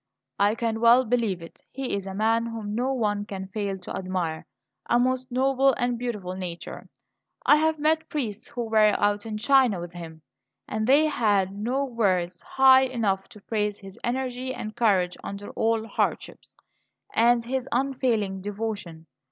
"I can well believe it; he is a man whom no one can fail to admire a most noble and beautiful nature. I have met priests who were out in China with him; and they had no words high enough to praise his energy and courage under all hardships, and his unfailing devotion.